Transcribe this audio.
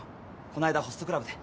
こないだホストクラブで。